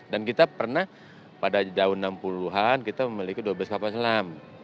dan kita pernah pada tahun enam puluh an kita memiliki dua belas kapal selam